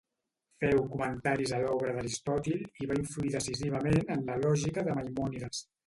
Féu comentaris a l'obra d'Aristòtil i va influir decisivament en la lògica de Maimònides.